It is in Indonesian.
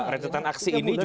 retretan aksi ini